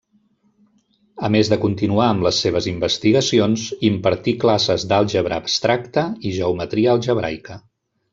A més de continuar amb les seves investigacions, impartí classes d'àlgebra abstracta i geometria algebraica.